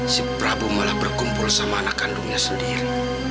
si prabu malah berkumpul sama anak kandungnya sendiri